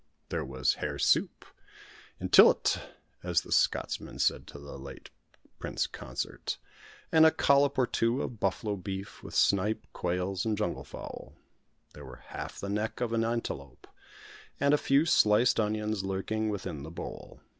There was hare soup "intil't" (as the Scotsman said to the late Prince Consort), and a collop or two of buffalo beef, with snipe, quails, and jungle fowl. There were half the neck of an antelope and a few sliced onions lurking within the bowl.